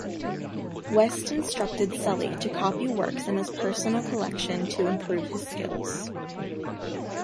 West instructed Sully to copy works in his personal collection to improve his skills.